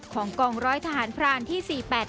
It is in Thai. กองร้อยทหารพรานที่๔๘๙